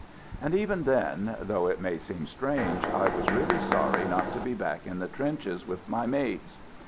And even then, though it may seem strange, I was really sorry not to be back in the trenches with my mates.